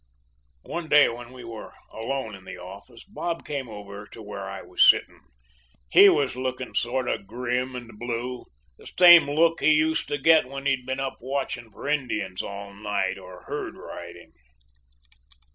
"One day when we were alone in the office Bob came over to where I was sitting. He was looking sort of grim and blue the same look he used to get when he'd been up watching for Indians all night or herd riding.